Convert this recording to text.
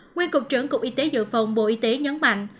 nguyên cục trưởng cục y tế dự phòng bộ y tế nhấn mạnh